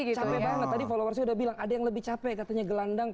kita bisanya followers sudah bilang ada yang lebih capek katanya gelandang